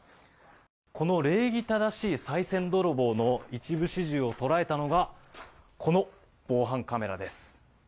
この礼儀正しいさい銭泥棒の一部始終を捉えたのがこの防犯カメラです。